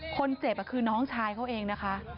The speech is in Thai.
คนเจ็บคือน้องชายเขาเองนะคะ